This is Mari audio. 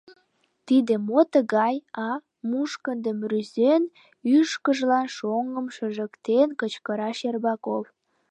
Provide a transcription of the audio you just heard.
— Тиде мо тыгай, а? — мушкындым рӱзен, ӱшкыжлак шоҥым шыжыктен кычкырла Щербаков.